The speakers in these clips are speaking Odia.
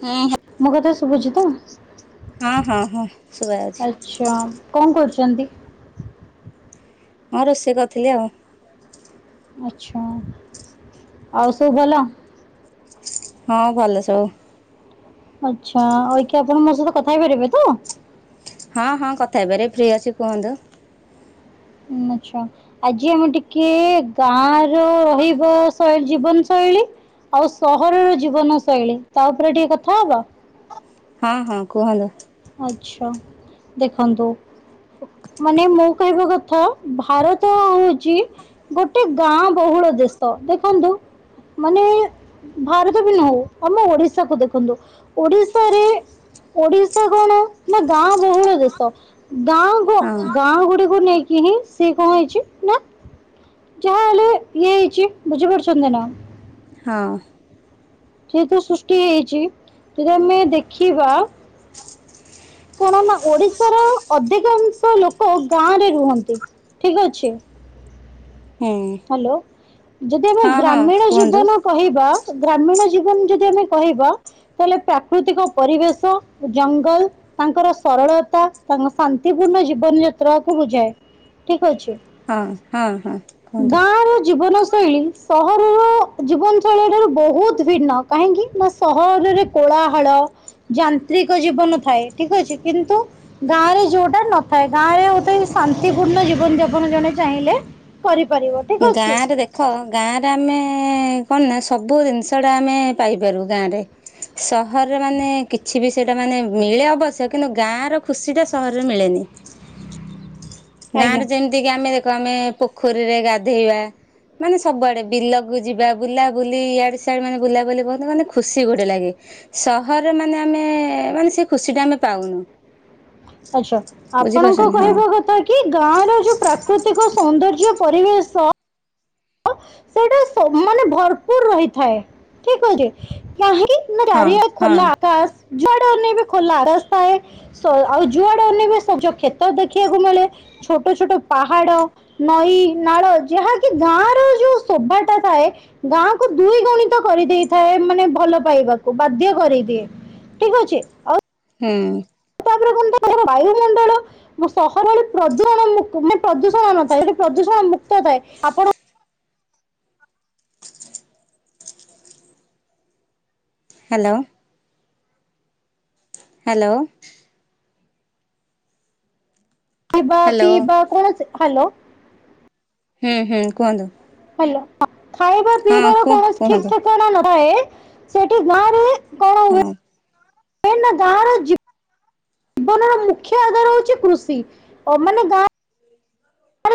ହୁଁଁ ହୁଁ। ମୋ କଥା ଶୁଭୁଛି ତ? ହଁ ହଁ ହଁ ସୁବା ଯାଉଛି। ସ୍ୱୟଂ କଣ କରୁଛନ୍ତି? ହଁ ରୋଷେଇ କରିଥିଲି ଆଉ। ଆଛା ଆଉ ସବୁ ଭଲ? ହଁ ଭଲ ସବୁ। ଆଚ୍ଛା ଅଇକି ଆପଣ ମୋ ସହିତ କଥା ହେଇପାରିବେ ତ? ହଁ ହଁ କଥା ହେଇପାରେ ଫ୍ରି ଅଛି କୁହନ୍ତୁ? ମୁଁଛା। ଆଜି ଆମେ ଟିକେ ଗାଁ ର ରହିବ ଶୈଳୀ ଜୀବନ ଶୈଳୀ। ଆଉ ସହରର ଜୀବନ ଶୈଳୀ ତା ଉପରେ ଟିକେ କଥା ହବ। ହଁ ହଁ କୁହନ୍ତୁ? ଆଚ୍ଛା ଦେଖନ୍ତୁ? ମାନେ ମୁଁ କହିବା କଥା ଭାରତ ହଉଛି ଗୋଟେ ଗାଁ ବହୁଳ ଦେଶ ଦେଖନ୍ତୁ ମାନେ ଭାରତ ବି ନ ହଉ ଆମ ଓଡିଶାକୁ ଦେଖନ୍ତୁ ଓଡିଶାରେ ଓଡ଼ି ତା କଣ ନା ଗାଁ ବହୁଳ ଦେଶ। ଗାଁ ଗ ହଁ ଗାଁ ଗୁଡିକୁ ନେଇକି ହିଁ ସେ କଣ ହେଇଛି ନା ଯାହା ହେଲେ ଇଏ ହେଇଚି ବୁଝିପାରୁଚନ୍ତି ନା? ହଁ। ଯେହେତୁ ସୃଷ୍ଟି ହେଇଚି ଯଦି ଆମେ ଦେଖିବା କଣ ନା ଓଡିଶାର ଅଧିକାଂଶ ଲୋକ ଗାଁରେ ରୁହନ୍ତି ଠିକି ଅଛି। ହୁଁ ହ୍ୟାଲୋ ଯଦି ଆମେ ହଁ ହଁ ଗ୍ରାମୀଣ କୁହନ୍ତୁ। ଜୀବନ କହିବା ଗ୍ରାମୀଣ ଜୀବନ ଯଦି ଆମେ କହିବା ତାହେଲେ ପ୍ରାକୃତିକ ପରିବେଶ ଜଙ୍ଗଲ ତାଙ୍କର ସରଳତା ତାଙ୍କ ଶାନ୍ତିପୂର୍ଣ୍ଣ ଜୀବନ ଯାତ୍ରାକୁ ବୁଝାଏ ଠିକି ଅଛି। ହଁ ହଁ ହଁ। କୁହନ୍ତୁ ଗାଁ ର ଜୀବନ ଶୈଳୀ ସହରର ଜୀବନଶୈଳି ଠାରୁ ବହୁତୁ ଭିନ୍ନ କାହିଁକି ନା ସହରରେ କୋଳାହାଳ ଯାନ୍ତ୍ରିକ ଜୀବନ ଥାଏ ଠିକି ଅଛି କିନ୍ତୁ ଗାଁ ରେ ଯୋଉଟା ନଥାଏ ଗାଁ ରେ ଗୋଟେ ଶାନ୍ତିପୂର୍ଣ୍ଣ ଜୀବନ ଯାପନ ଜଣେ ଚାହିଁଲେ କରିପାରିବ। ଠିକ୍ ଅଛି ଗାଁରେ ଦେ ଦେଖ ଗାଁରେ ଆମେ କଣ ନା ସବୁ ଜିନିଷଟା ଆମେ ପାଇପାରୁ ଗାଁରେ। ସହରରେ ମାନେ କିଛି ବି ସେଇଟା ମାନେ ମିଳେ ଅବଶ୍ୟ କିନ୍ତୁ ଗାଁ ର ଖୁସି ଟା ସହରରେ ମିଳେନି। ଗାଁ ଆଜ୍ଞା ରେ ଯେମିତି କା ଆମେ ଦେଖ ଆମେ ପୋଖରୀରେ ଗାଧେଇବା ମାନେ ସବୁଆଡେ ବିଲକୁ ଯିବା ବୁଲାବୁଲି ଇଆଡେ ସିଆଡେ ମାନେ ବୁଲା ବୁଲି କୁନ୍ତନ୍ତି ମାନେ ଖୁସି ଗୋଟେ ଲାଗେ। ସହରରେ ମାନେ ଆମେ ମାନେ ସେ ଖୁସି ଟା ଆମେ ପାଉନୁ। ଆଛା ଆପଣଙ୍କ ବୁଝିପାରୁଛନ୍ତି ହଁ। କହିବା କଥା କି ଗାଁ ର ଯୋଉ ପ୍ରାକୃତିକ ସୌନ୍ଦର୍ଯ୍ୟ ପରିବେଶ। ସେଇଟା ସ ମାନେ ଭରପୁରୁ ରହିଥାଏ ଠିକି ଅଛି କାହିଁକି? [unintelligible] ହଁ ନାର ହଁ ଖୋଲା ଆକାଶ ଜୁଆଡେଅନେଇବି ଖୋଲା ଆକାଶ ଥାଏ। ସ ଆଉ ଯୁଆଡେ ଅନେଇବେ ସଜକ୍ଷେତ ଦେଖିବାକୁ ମିଳେ। ଛୋଟ ଛୋଟ ପାହାଡ ନଈ ନାଳ ଯାହାକି ଗାଁ ଶୋଭା ଟା ଥାଏ। ଗାଁକୁ ଦୁଇ ଗୁଣିତ କରିଦେଇଥାଏ ମାନେ ଭଲ ପାଇବାକୁ ବାଧ୍ୟ କରିଦିଏ। ଠିକ୍ ଅଛି। ହୁଁ। [unintelligible] ବାୟୁ ମଣ୍ଡଳ ମୋ ସହରରେ ପ୍ରଦୂସଣ ମୁ ମାନେ ପ୍ରଦୂଷଣ ନଥାଏ ପ୍ରଦୂଷଣ ମୁକ୍ତ ଥାଏ ଆପଣ ହ୍ୟାଲୋ। ହ୍ୟାଲୋ। ଖାଇବା ହ୍ୟାଲୋ। ପିଇବା କୋଣସି ହ୍ୟାଲୋ। ହୁଁ ହୁଁ କୁହନ୍ତୁ? ହ୍ୟାଲୋ ଖାଇବା ହଁ ପିଇବାର କୁହ କୋଣସି ଠିକି କୁହନ୍ତୁ ଠିକଣା ନଥାଏ। ସେଠି ଗାଁ ରେ କଣ ହୁଁ। ଗାଁ ର ଜି ଜୀବନର ମୁଖ୍ୟ ଆଧାର ହଉଚି କୃଷି ମାନେ ଗାଁ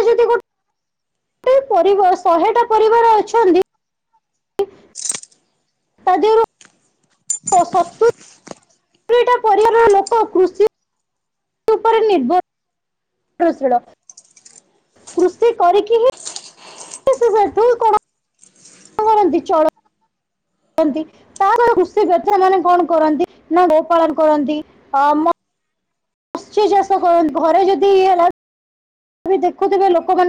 ଯଦି ଗୋ ଟେ ପରିବସ ଶହେଟା ପରିବାର ଅଛନ୍ତି ତା ଦେହରୁ ସତୁ [unintelligible] ଦଇଟା ପରିବାରର ଲୋକ କୃଷି କୃଷି ଉପରେ ନିଭର ଶିଳ କୃଷି କରିକି ହିଁ ସେ ସେଠୁ କଣ, କରନ୍ତି ଚଳ-ଅ-ନ୍ତି। ତାର ହୃଷିପତ୍ରମାନେ କଣ କରନ୍ତି ନା ଗୋପାାଳନ କରନ୍ତି ଅ-ଅ ମ [inaudible] ଚାଷ କରନ୍ତି ଘର ଯଦି ଏ ହେଲା [inaudible] ଦେଖୁଥିବେ ଲୋକମାନେ